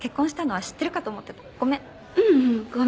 ううん。ごめん。